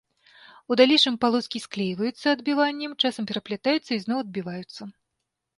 У далейшым, палоскі склейваюцца адбіваннем, часам пераплятаюцца і зноў адбіваюцца.